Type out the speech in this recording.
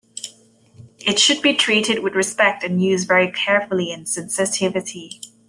It should be treated with respect and used very carefully and sensitivity.